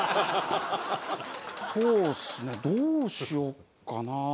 そうっすねどうしようかな。